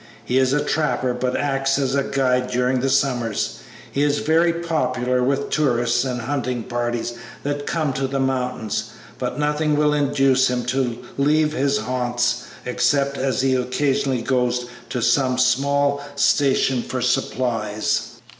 He is a trapper, but acts as guide during the summers. He is very popular with tourist and hunting parties that come to the mountains, but nothing will induce him to leave his haunts except as he occasionally goes to some small station for supplies."